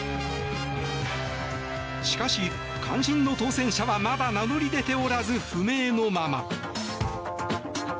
しかし、肝心の当選者はまだ名乗り出ておらず不明のまま。